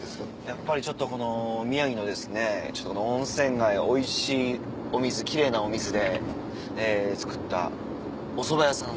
やっぱりちょっとこの宮城の温泉街のおいしいお水奇麗なお水で作ったおそば屋さん。